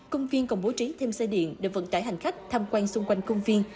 công viên còn bố trí thêm xe điện để vận tải hành khách tham quan xung quanh công viên